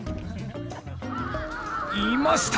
いました！